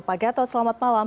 pak gatot selamat malam